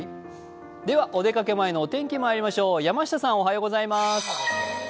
ではお出かけ前のお天気まいりましょう。